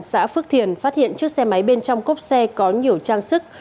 xã phước thiền phát hiện chiếc xe máy bên trong cốc xe có nhiều trang sức